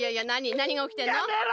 なにがおきてるの？